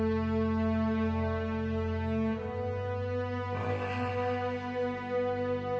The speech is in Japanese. うん。